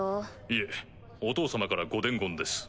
いえお父様からご伝言です。